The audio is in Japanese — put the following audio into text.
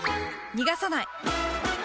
逃がさない！